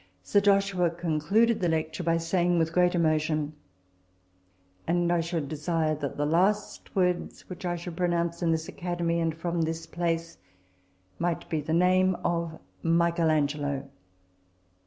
Sir Joshua concluded the lecture by saying, with great emotion, " And I should desire that the last words which I should pronounce in this Academy and from this place might be the name of Michael Angelo."